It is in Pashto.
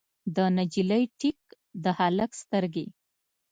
د نجلۍ ټیک، د هلک سترګې